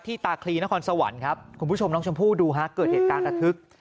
ตาคลีนครสวรรค์ครับคุณผู้ชมน้องชมพู่ดูฮะเกิดเหตุการณ์ระทึก